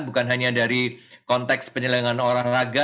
bukan hanya dari konteks penyelenggaraan orang raga